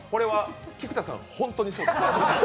菊田さん、本当にそうです。